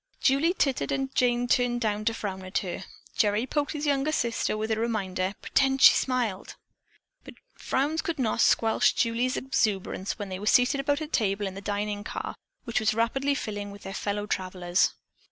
Julie tittered and Jane turned to frown at her. Gerry poked his young sister with the reminder, "Pretend she smiled." But frowns could not squelch Julie's exuberance when they were seated about a table in the dining car, which was rapidly filling with their fellow travelers.